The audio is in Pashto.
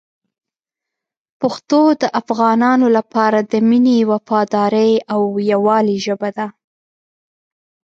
پښتو د افغانانو لپاره د مینې، وفادارۍ او یووالي ژبه ده.